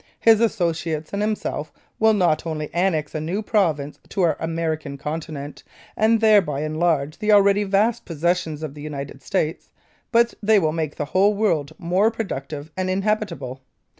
His associates and himself will not only annex a new province to our American continent, and thereby enlarge the already vast possessions of the United States, but they will make the whole world more productive and inhabitable.